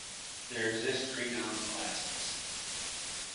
There exist three noun classes.